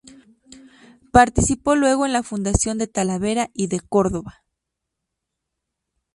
Participó luego en la fundación de Talavera y de Córdoba.